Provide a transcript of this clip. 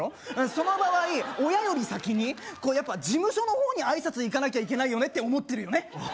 その場合親より先にやっぱ事務所の方に挨拶行かなきゃいけないよねって思ってるよね